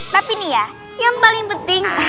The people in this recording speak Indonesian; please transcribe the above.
tapi nih ya yang paling penting